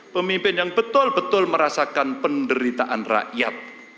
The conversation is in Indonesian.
pemimpin yang betul betul merasakan penderitaan rakyat